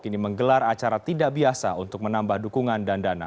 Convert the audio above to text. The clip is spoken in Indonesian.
kini menggelar acara tidak biasa untuk menambah dukungan dan dana